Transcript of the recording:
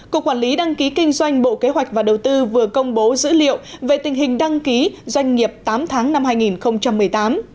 cục quản lý đăng ký kinh doanh bộ kế hoạch và đầu tư vừa công bố dữ liệu về tình hình đăng ký doanh nghiệp tám tháng năm hai nghìn một mươi tám